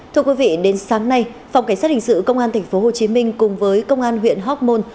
thưa quý vị đến sáng nay phòng cảnh sát hình sự công an tp hcm cùng với công an huyện hóc môn